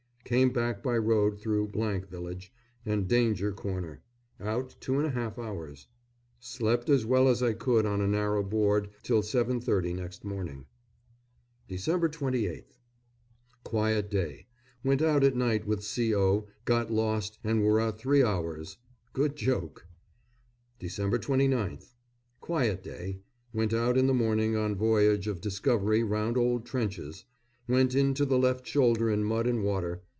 Came back by road through village and Danger Corner. Out two and a half hours. Slept as well as I could on a narrow board till 7.30 next morning. Dec. 28th. Quiet day. Went out at night with C.O. Got lost, and were out three hours. Good joke. Dec. 29th. Quiet day. Went out in the morning on voyage of discovery round old trenches. Went in to the left shoulder in mud and water.